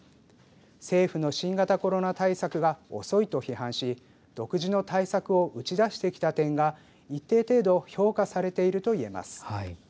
政府の新型コロナ対策が遅いと批判し独自の対策を打ち出してきた点が一定程度評価されているといえます。